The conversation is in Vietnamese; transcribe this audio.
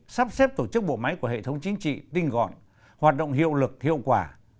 sắp xếp tổ chức bộ máy của hệ thống chính trị tinh gọn hoạt động hiệu lực hiệu quả